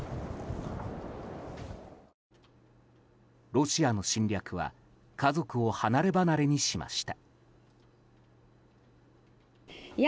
ロシアの侵略は家族を離れ離れにしました。